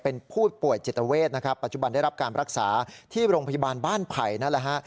เป็นผู้ป่วยจิตเวทนะครับปัจจุบันได้รับการรักษาที่โรงพยาบาลบ้านไผ่นั่นแหละฮะ